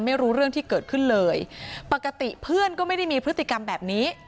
ไม่รู้เรื่องที่เกิดขึ้นเลยปกติเพื่อนก็ไม่ได้มีพฤติกรรมแบบนี้